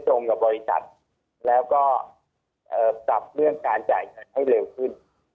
ตรงกับบริษัทแล้วก็ปรับเรื่องการจ่ายเงินให้เร็วขึ้น